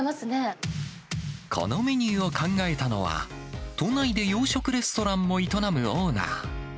このメニューを考えたのは、都内で洋食レストランも営むオーナー。